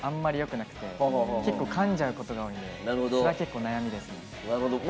なくて結構、かんじゃうことが多いのでそれが結構悩みですね。